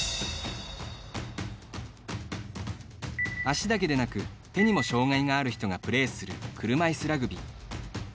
足だけでなく、手にも障がいがある人がプレーする車いすラグビー。